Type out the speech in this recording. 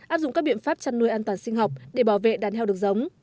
áp dụng các biện pháp chăn nuôi an toàn sinh học để bảo vệ đàn heo được giống